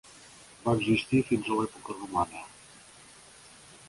Va existir fins a l'època romana.